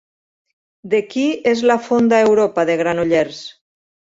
De qui és la Fonda Europa de Granollers?